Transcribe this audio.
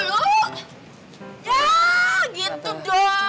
ya gitu dong